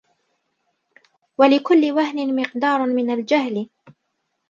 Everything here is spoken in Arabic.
وَلِكُلِّ وَهْنٍ مِقْدَارٌ مِنْ الْجَهْلِ